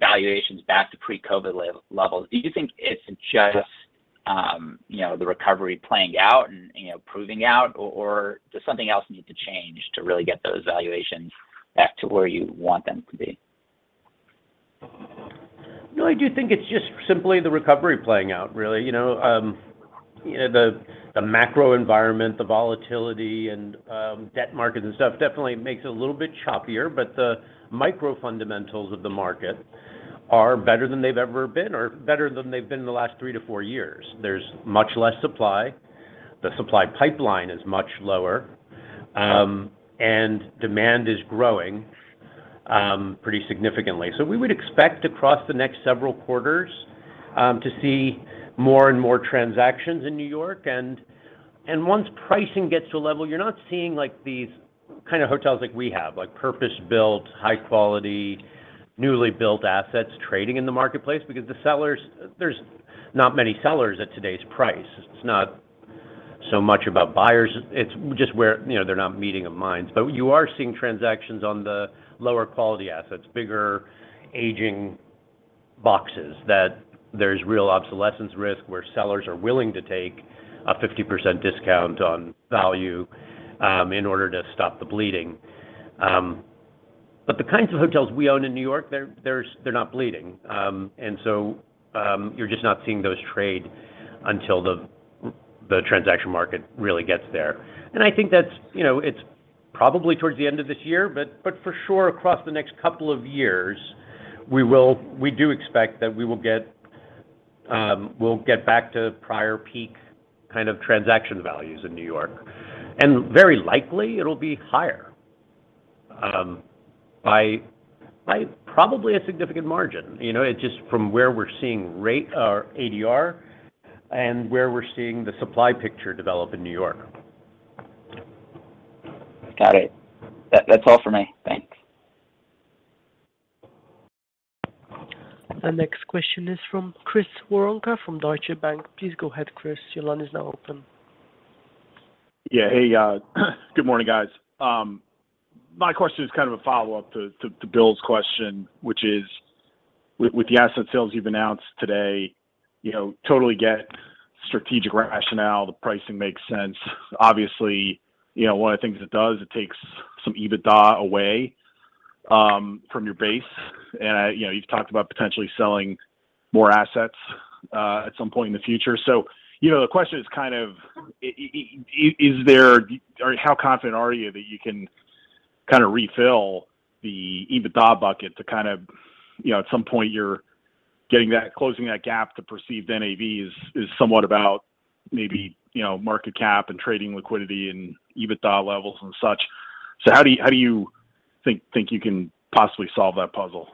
valuations back to pre-COVID levels, do you think it's just the recovery playing out and proving out or does something else need to change to really get those valuations back to where you want them to be? No, I do think it's just simply the recovery playing out, really. You know, you know, the macro environment, the volatility and, debt markets and stuff definitely makes it a little bit choppier, but the micro fundamentals of the market are better than they've ever been or better than they've been in the last three to four years. There's much less supply. The supply pipeline is much lower. Demand is growing, pretty significantly. We would expect across the next several quarters to see more and more transactions in New York. Once pricing gets to a level, you're not seeing like these kind of hotels like we have, like purpose-built, high quality, newly built assets trading in the marketplace because the sellers, there's not many sellers at today's price. It's not so much about buyers. It's just where, you know, there's no meeting of minds. You are seeing transactions on the lower quality assets, bigger aging boxes that there's real obsolescence risk, where sellers are willing to take a 50% discount on value in order to stop the bleeding. The kinds of hotels we own in New York, they're not bleeding. You're just not seeing those trade until the transaction market really gets there. I think that's, you know, it's probably towards the end of this year, but for sure across the next couple of years, we do expect that we will get back to prior peak kind of transaction values in New York. Very likely it'll be higher by probably a significant margin. You know, it's just from where we're seeing rate or ADR and where we're seeing the supply picture develop in New York. Got it. That, that's all for me. Thanks. The next question is from Chris Woronka from Deutsche Bank. Please go ahead, Chris. Your line is now open. Yeah. Hey, good morning, guys. My question is kind of a follow-up to Bill's question, which is with the asset sales you've announced today, you know, totally get strategic rationale, the pricing makes sense. Obviously, you know, one of the things it does, it takes some EBITDA away from your base. You know, you've talked about potentially selling more assets at some point in the future. You know, the question is kind of is there or how confident are you that you can kind of refill the EBITDA bucket to kind of, you know, at some point you're getting that closing that gap to perceived NAV is somewhat about maybe, you know, market cap and trading liquidity and EBITDA levels and such. So how do you think you can possibly solve that puzzle?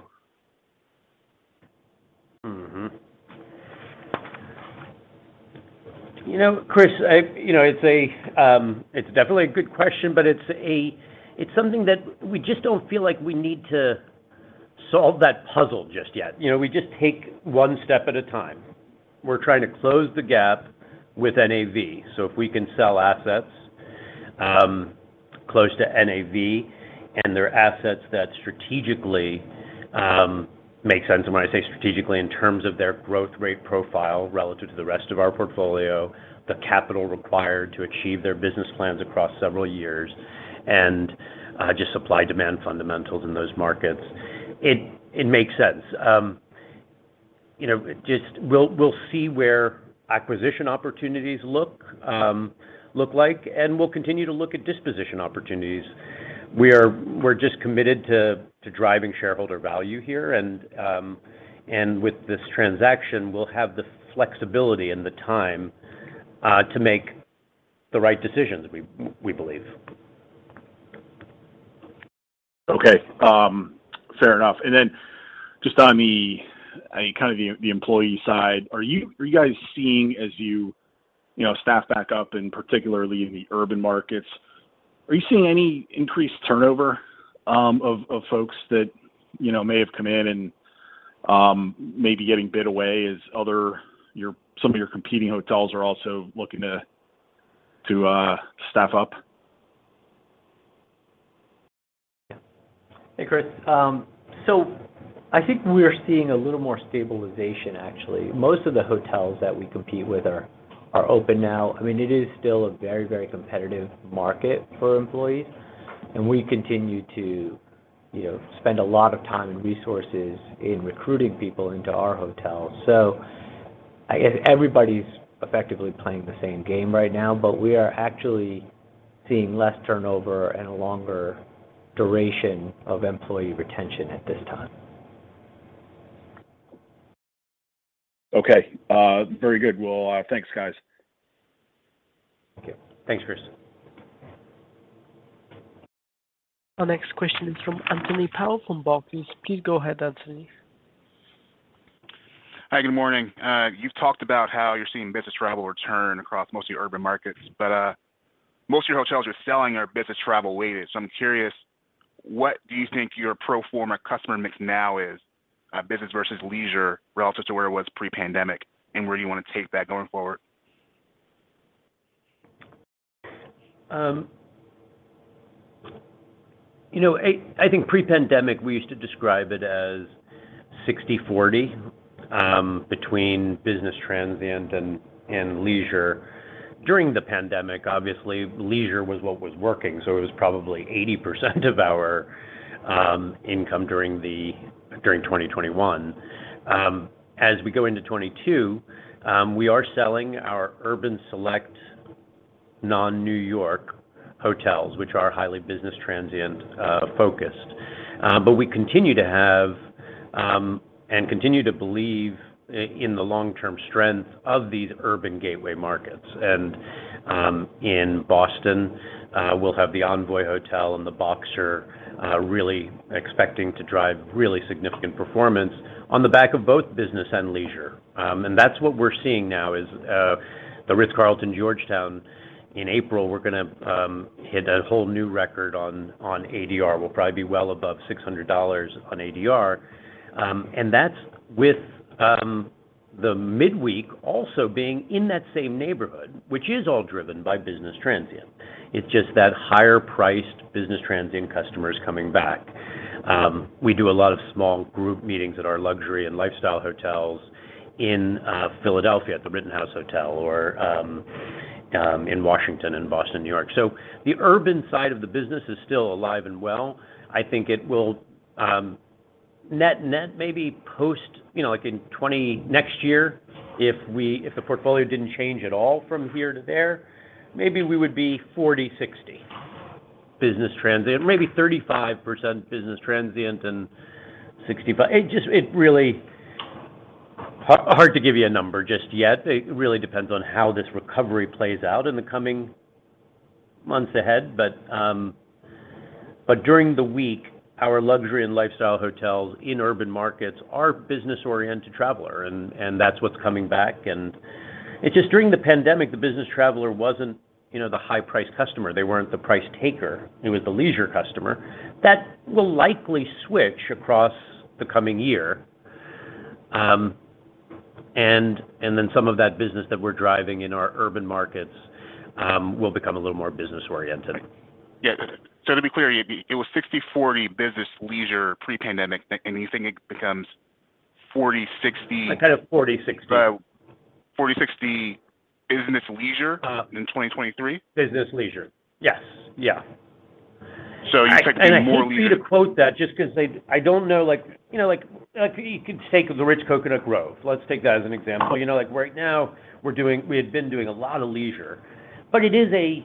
You know, Chris, you know, it's definitely a good question, but it's something that we just don't feel like we need to solve that puzzle just yet. You know, we just take one step at a time. We're trying to close the gap with NAV. If we can sell assets close to NAV and they're assets that strategically make sense, and when I say strategically in terms of their growth rate profile relative to the rest of our portfolio, the capital required to achieve their business plans across several years, and just supply demand fundamentals in those markets, it makes sense. You know, just we'll see where acquisition opportunities look like, and we'll continue to look at disposition opportunities. We're just committed to driving shareholder value here and with this transaction, we'll have the flexibility and the time to make the right decisions we believe. Okay. Fair enough. Just on the kind of employee side, are you guys seeing as you staff back up and particularly in the urban markets, are you seeing any increased turnover of folks that you know may have come in and may be getting bid away as some of your competing hotels are also looking to staff up? Yeah. Hey, Chris. I think we are seeing a little more stabilization actually. Most of the hotels that we compete with are open now. I mean, it is still a very, very competitive market for employees, and we continue to, you know, spend a lot of time and resources in recruiting people into our hotels. I guess everybody's effectively playing the same game right now, but we are actually seeing less turnover and a longer duration of employee retention at this time. Okay. Very good. Well, thanks, guys. Okay. Thanks, Chris. Our next question is from Anthony Powell from Barclays. Please go ahead, Anthony. Hi, good morning. You've talked about how you're seeing business travel return across most of the urban markets, but most of your hotels you're selling are business travel weighted. I'm curious, what do you think your pro forma customer mix now is, business versus leisure relative to where it was pre-pandemic, and where do you wanna take that going forward? You know, I think pre-pandemic, we used to describe it as 60/40 between business transient and leisure. During the pandemic, obviously leisure was what was working, so it was probably 80% of our income during 2020-2021. As we go into 2022, we are selling our urban select non-New York hotels, which are highly business transient focused. We continue to have, and continue to believe in the long-term strength of these urban gateway markets. In Boston, we'll have the Envoy Hotel and the Boxer, really expecting to drive really significant performance on the back of both business and leisure. That's what we're seeing now is the Ritz-Carlton Georgetown in April, we're gonna hit a whole new record on ADR. We'll probably be well above $600 on ADR. That's with the midweek also being in that same neighborhood, which is all driven by business transient. It's just that higher priced business transient customers coming back. We do a lot of small group meetings at our luxury and lifestyle hotels in Philadelphia at The Rittenhouse Hotel or in Washington and Boston, New York. The urban side of the business is still alive and well. I think it will net maybe post, you know, like next year if we, if the portfolio didn't change at all from here to there, maybe we would be 40/60 business transient. Maybe 35% business transient and 65%. It just, it really hard to give you a number just yet. It really depends on how this recovery plays out in the coming months ahead. During the week, our luxury and lifestyle hotels in urban markets are business-oriented traveler and that's what's coming back. It's just during the pandemic, the business traveler wasn't, you know, the high price customer. They weren't the price taker. It was the leisure customer. That will likely switch across the coming year. Then some of that business that we're driving in our urban markets will become a little more business-oriented. Yeah. To be clear, it was 60/40 business leisure pre-pandemic, and you think it becomes 40/60? Kind of 40/60. 40/60 business leisure in 2023? Business leisure. Yes. Yeah. You expect more leisure- I hate for you to quote that just because I don't know, like. You know, like you could take the Ritz-Carlton Coconut Grove, Miami. Let's take that as an example. You know, like right now we had been doing a lot of leisure, but it is a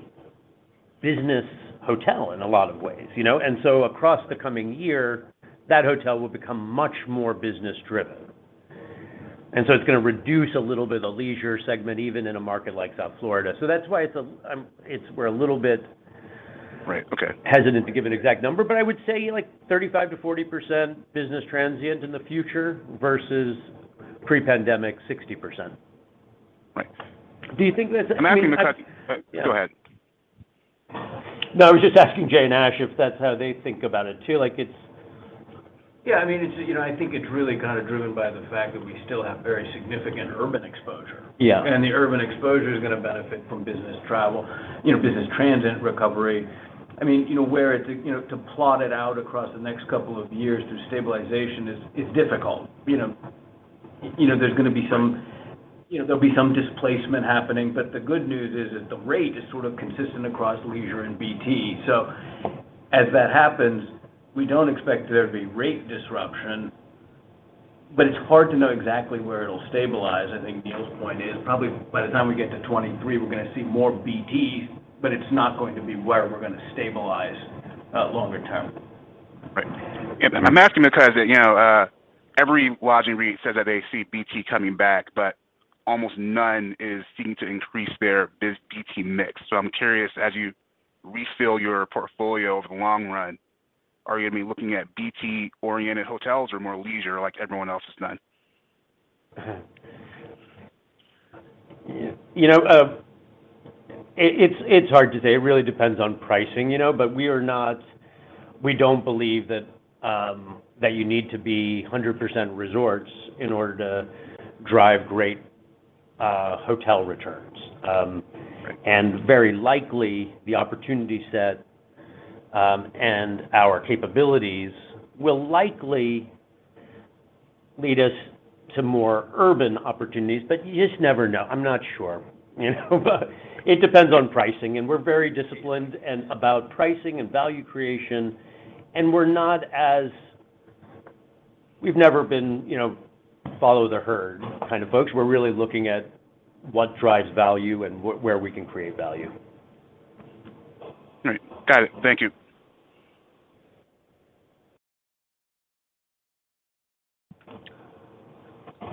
business hotel in a lot of ways, you know? So across the coming year, that hotel will become much more business driven. So it's gonna reduce a little bit of leisure segment even in a market like South Florida. So that's why it's a little bit. Right. Okay Hesitant to give an exact number, but I would say like 35%-40% business transient in the future versus pre-pandemic, 60%. Right. Do you think that's? I'm asking because. Go ahead. No, I was just asking Jay and Ash if that's how they think about it too. Yeah. I mean, it's, you know, I think it's really kind of driven by the fact that we still have very significant urban exposure. Yeah. The urban exposure is gonna benefit from business travel, you know, business transient recovery. I mean, you know, where it's, you know, to plot it out across the next couple of years through stabilization is difficult. You know, there's gonna be some displacement happening. The good news is that the rate is sort of consistent across leisure and BT. As that happens, we don't expect there to be rate disruption, but it's hard to know exactly where it'll stabilize. I think Neil's point is probably by the time we get to 2023, we're gonna see more BTs, but it's not going to be where we're gonna stabilize longer term. Right. I'm asking because, you know, every lodging REIT says that they see BT coming back, but almost none is seeking to increase their BT mix. I'm curious, as you refill your portfolio over the long run, are you gonna be looking at BT-oriented hotels or more leisure like everyone else is doing? You know, it's hard to say. It really depends on pricing, you know? We don't believe that you need to be 100% resorts in order to drive great hotel returns. Very likely the opportunity set and our capabilities will likely lead us to more urban opportunities, but you just never know. I'm not sure, you know? It depends on pricing, and we're very disciplined about pricing and value creation. We've never been, you know, follow the herd kind of folks. We're really looking at what drives value and where we can create value. All right. Got it. Thank you.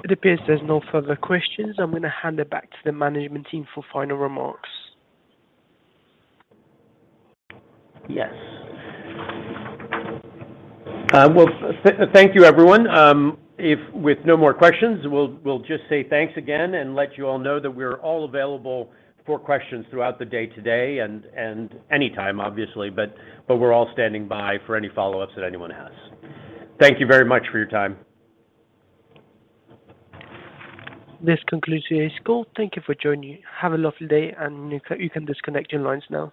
It appears there's no further questions. I'm gonna hand it back to the management team for final remarks. Yes. Well, thank you, everyone. If with no more questions, we'll just say thanks again and let you all know that we're all available for questions throughout the day today and anytime obviously, but we're all standing by for any follow-ups that anyone has. Thank you very much for your time. This concludes today's call. Thank you for joining. Have a lovely day, and you can disconnect your lines now.